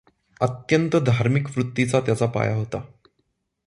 अत्यंत धार्मिक वृत्तीचा त्याचा पाया होता.